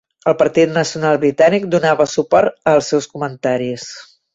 El Partit Nacional Britànic donava suport als seus comentaris.